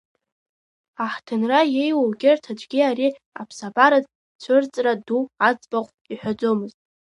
Аҳҭынра иеиуоу егьырҭ аӡәгьы ари аԥсабаратә цәырҵра ду аӡбахә иҳәаӡомызт.